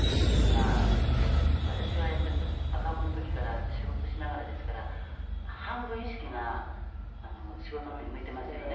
「まあ私がやっぱり赤ん坊の時から仕事しながらですから半分意識が仕事の方に向いてますよね」